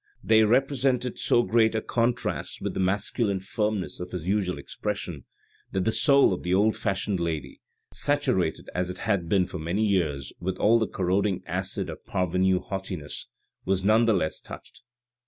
They represented so great a contrast with A BOX AT THE BOUFFES 435 the masculine firmness of his usual expression that the soul of the old fashioned lady, saturated as it had been for many years with all the corroding acid of parvenu haughtiness, was none the less touched.